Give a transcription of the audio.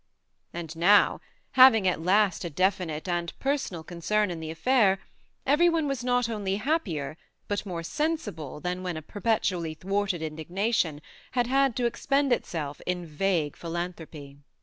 And now, having at last a E 50 THE MARNE definite and personal concern in the affair, every one was not only happier but more sensible than when a per petually thwarted indignation had had to expend itself in vague philan thropy.